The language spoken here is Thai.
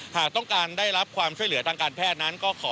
หากต้องการได้รับความช่วยเหลือทางการแพทย์นั้นก็ขอ